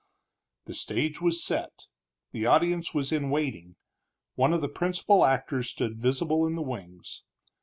The stage was set, the audience was in waiting, one of the principal actors stood visible in the wings.